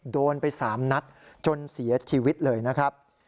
โดนไป๓นัดจนเสียชีวิตเลยนะครับ